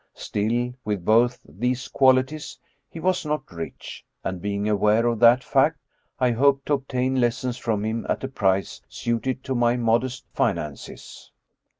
Still, with both these qualities, he was not rich, and being aware of that fact, I hoped to obtain lessons from him at a price suited to my modest finances.